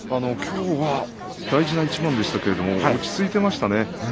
きょうは大事な一番でしたけど落ち着いていましたね。